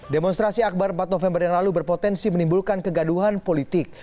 demonstrasi akbar empat november yang lalu berpotensi menimbulkan kegaduhan politik